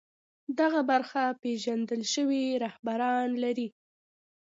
دغه برخه پېژندل شوي رهبران لري